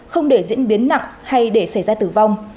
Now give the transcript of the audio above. không để diễn biến nặng hay để xảy ra tử vong